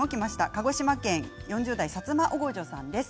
鹿児島県４０代の方からです。